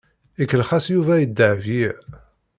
Ikellex-as Yuba i Dahbiya.